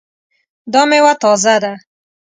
دا میوه تازه ده؟